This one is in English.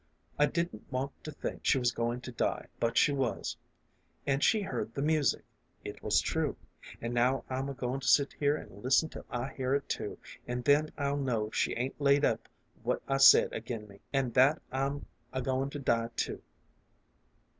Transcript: I didn't want to think she was goin' to die, but she was. An' she heard the music. It was true. An' now I'm a goin' to set here an' listen till I A FAR A WA Y MELOD Y. 217 hear it too, an' then I'll know she 'ain't laid up what I said agin me, an' that I'm a goin' to die too."